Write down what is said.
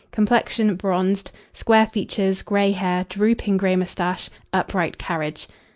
complexion, bronzed; square features; grey hair; drooping grey moustache; upright carriage.